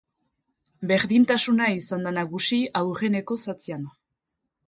Berdintasuna izan da nagusi aurreneko zatian.